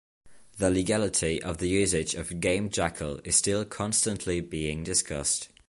The legality of the usage of Game Jackal is still constantly being discussed.